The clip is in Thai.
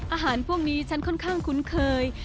อาหารพวกนี้ฉันค่อนข้างคุ้นเคย